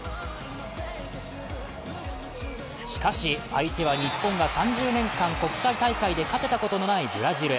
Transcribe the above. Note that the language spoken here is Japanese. しかし、相手は日本が３０年間国際大会で勝てたことのないブラジル。